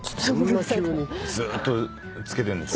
ずーっと着けてるんでしょ。